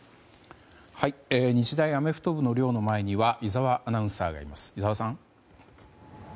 日大アメフト部の寮の前には井澤アナウンサーがいます。